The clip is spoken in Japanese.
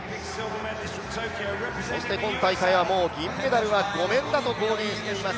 そして今大会は銀メダルはごめんだと話しています。